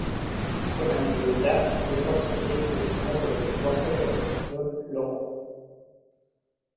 Con anterioridad, Lego se había interesado por el Lenguaje de programación Logo.